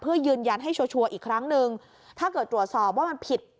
เพื่อยืนยันให้ชัวร์อีกครั้งหนึ่งถ้าเกิดตรวจสอบว่ามันผิด